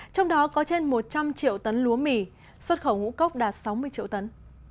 trong đó có trên một trăm linh triệu tấn lúa mì xuất khẩu ngũ cốc đạt sáu mươi triệu tấn